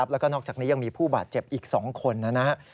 แล้วก็นอกจากนี้ยังมีผู้บาดเจ็บอีก๒คนนะครับ